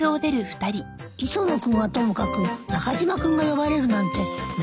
磯野君はともかく中島君が呼ばれるなんて珍しいわね。